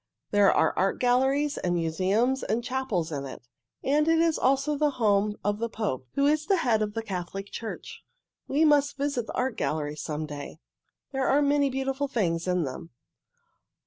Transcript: There are art galleries and museums and chapels in it, and it is also the home of the Pope, who is the head of the Catholic Church. We must visit the art galleries some day. There are many beautiful things in them."